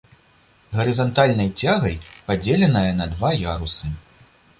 Гарызантальнай цягай падзеленая на два ярусы.